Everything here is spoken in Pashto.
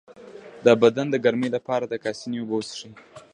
د بدن د ګرمۍ لپاره د کاسني اوبه وڅښئ